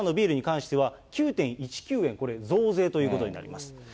第３のビールに関しては９．１９円、これ、増税ということになります。